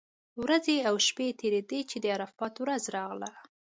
ورځې او شپې تېرېدې چې د عرفات ورځ راغله.